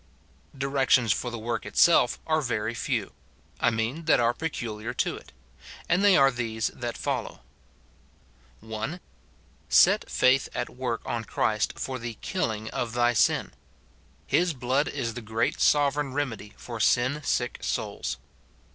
Directions for the work itself are very few ; I mean that are peculiar to it. And they are these that follow :— 1. Set faith at work on Christ for the hilling of thy sin. Ilis blood is the great sovereign remedy for sin sick souls.